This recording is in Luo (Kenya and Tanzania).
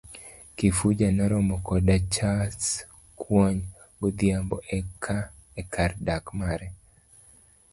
kifuja noromo koda Chebaskwony godhiambo ekar dak mare.